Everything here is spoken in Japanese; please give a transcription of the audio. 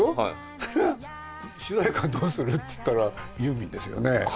そりゃ、主題歌どうする？っていったら、ユーミンですよね。